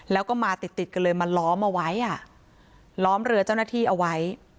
แล้วก็มาติดติดกันเลยมาล้อมเอาไว้อ่ะล้อมเรือเจ้าหน้าที่เอาไว้